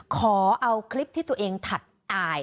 ขอเอาคลิปที่ตัวเองถัดอาย